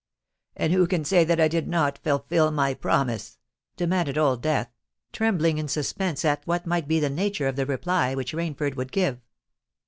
"And who can say that I did not fulfil my promise?" demanded Old Death, trembling in suspense at what might be the nature of the reply which Rainford would give.